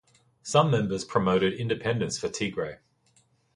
Some members promoted independence for Tigray.